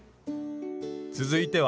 続いては。